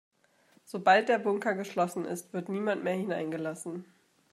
Sobald der Bunker geschlossen ist, wird niemand mehr hineingelassen.